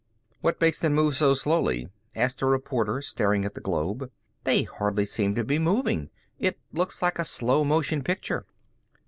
"What makes them move so slowly?" asked a reporter, staring at the globe. "They hardly seem to be moving. It looks like a slow motion picture."